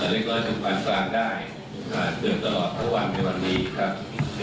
เล็กน้อยของปันฟาร์มได้เดินตลอดทั้งวันในวันนี้ครับ